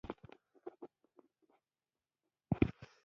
کله چې افغانستان کې ولسواکي وي ښارونه ښکلي کیږي.